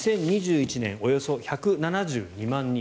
２０２１年およそ１７２万人。